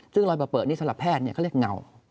ซึ่งรอยเปอดนี่สำหรับแพทย์เนี่ยก็เรียกเงา